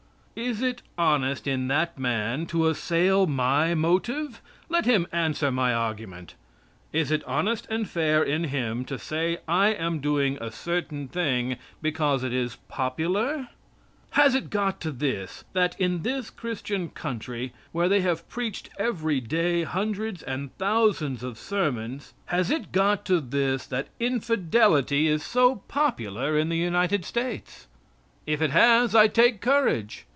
Is it honest in that man to assail my motive? Let him answer my argument! Is it honest and fair in him to say I am doing a certain thing because it is popular? Has it got to this, that, in this Christian country, where they have preached every day hundreds and thousands of sermons has it got to this that infidelity is so popular in the United States? If it has, I take courage.